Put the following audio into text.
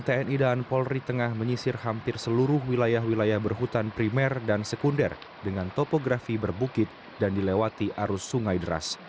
tni dan polri tengah menyisir hampir seluruh wilayah wilayah berhutan primer dan sekunder dengan topografi berbukit dan dilewati arus sungai deras